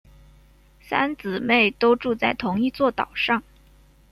三姊妹都住在同一座岛上。